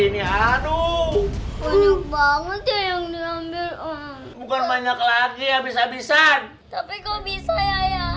nih aduh banyak banget yang diambil bukan banyak lagi habis habisan tapi kok bisa ya